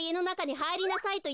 はい。